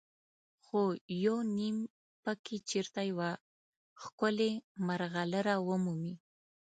خو یو نیم پکې چېرته یوه ښکلې مرغلره ومومي.